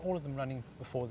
akhir bulan maret